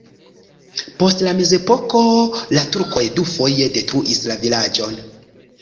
Post la mezepoko la turkoj dufoje detruis la vilaĝon.